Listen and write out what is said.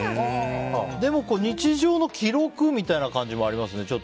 でも、日常の記録みたいな感じもありますね。